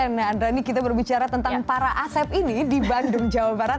nah andra ini kita berbicara tentang para asep ini di bandung jawa barat